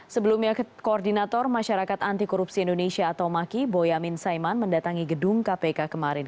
sebelumnya koordinator masyarakat anti korupsi indonesia atau maki boyamin saiman mendatangi gedung kpk kemarin